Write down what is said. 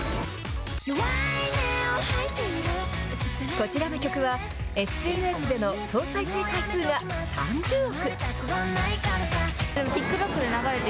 こちらの曲は、ＳＮＳでの総再生回数が３０億。